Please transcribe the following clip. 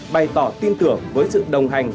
bày tỏ tin tưởng với sự đồng hành